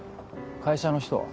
会社の人は？